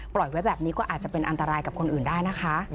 ไว้แบบนี้ก็อาจจะเป็นอันตรายกับคนอื่นได้นะคะ